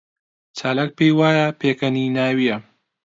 چالاک پێی وایە پێکەنیناوییە.